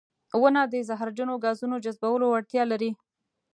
• ونه د زهرجنو ګازونو جذبولو وړتیا لري.